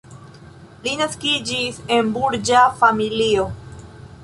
Li naskiĝis en burĝa familio.